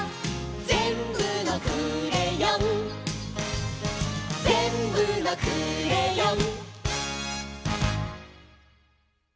「ぜんぶのクレヨン」「ぜんぶのクレヨン」